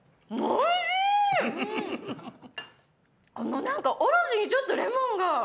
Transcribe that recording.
このおろしにちょっとレモンが。